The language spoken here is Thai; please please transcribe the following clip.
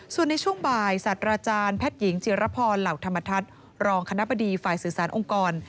ส่วนในช่วงบ่ายสัตว์อาจารย์แพทย์หญิงจิรพรเหล่าธรรมทัศน์รองคณะบดีฝ่ายสื่อสารองค์กร